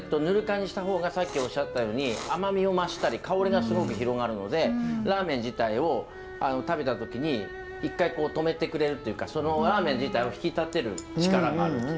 ぬる燗にした方がさっきおっしゃったように甘みを増したり香りがすごく広がるのでラーメン自体を食べた時に一回こう止めてくれるっていうかそのラーメン自体を引き立てる力がある。